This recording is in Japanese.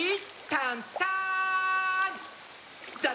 タンターン！